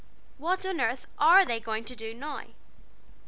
What on airth are they going to do now?"